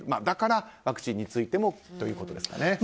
だから、ワクチンについてもということですかね。